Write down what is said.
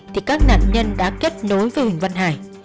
thì các nạn nhân đã kết nối với huỳnh văn hải